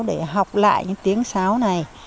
để học lại tiếng sáo này